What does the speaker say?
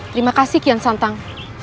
terima kasih kian santang